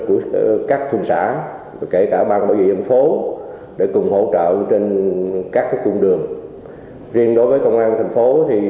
của các khuôn xã kể cả ban bảo vệ dân phố